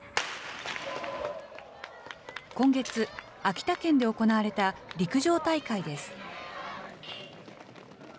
今月、秋田県で行われた陸上大会です。